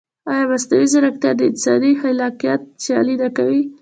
ایا مصنوعي ځیرکتیا د انساني خلاقیت سیالي نه کوي؟